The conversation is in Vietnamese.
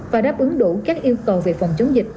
và đáp ứng đủ các yêu cầu về phòng chống dịch